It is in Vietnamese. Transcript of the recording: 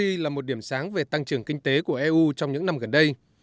đây là một điểm sáng về tăng trưởng kinh tế của eu trong những năm gần đây